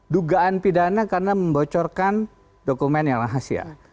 dugaan pidana karena membocorkan dokumen yang rahasia